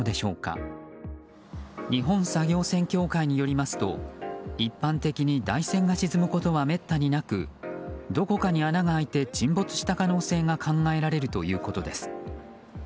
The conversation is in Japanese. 日本作業船協会によりますと一般的に台船が沈むことはめったになくどこかに穴があいて沈没した可能性が考えられるということです。